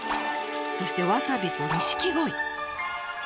そしてわさびと錦ごい。